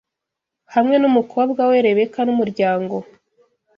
hamwe n'umukobwa we Rebeka n'umuryango